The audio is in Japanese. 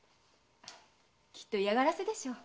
きっと嫌がらせでしょう。